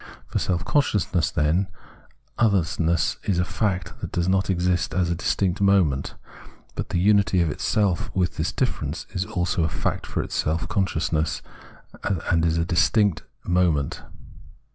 For self consciousness, then, otherness is a fact, it does exist as a distinct moment ; but the unity of itself with this difference is also a fact for self consciousness, and is a second distinct moment.